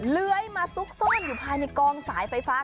เลื้อยมาซุกซ่อนอยู่ภายในกองสายไฟฟ้า